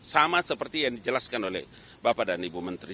sama seperti yang dijelaskan oleh bapak dan ibu menteri